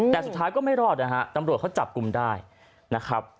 แต่สุดท้ายก็ไม่รอดนะฮะตำรวจเขาจับกลุ่มได้นะครับ